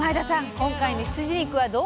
今回の羊肉はどう？